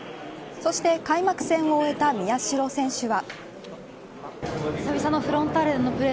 そして開幕戦を終えた宮代選手は。